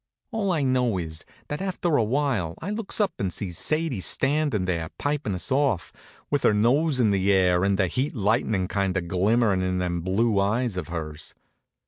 All I know is that after a while I looks up and sees Sadie standin' there pipin' us off, with her nose in the air and the heat lightnin' kind of glimmerin' in them blue eyes of hers.